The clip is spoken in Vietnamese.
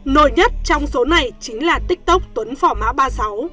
nổi nhất trong số này chính là tiktok tuấn phỏ mã ba mươi sáu